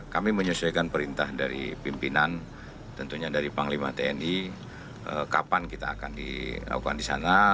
kami menyesuaikan perintah dari pimpinan tentunya dari panglima tni kapan kita akan dilakukan di sana